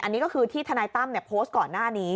อันนี้ก็คือที่ทนายตั้มโพสต์ก่อนหน้านี้